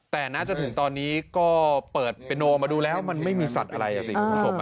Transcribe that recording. แต่น่าจะถึงตอนนี้ก็เปิดเป็นนูออกมาดูแล้วมันไม่มีสัตว์อะไรสิ